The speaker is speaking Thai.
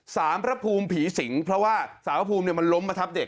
พระภูมิผีสิงเพราะว่าสารพระภูมิเนี่ยมันล้มมาทับเด็ก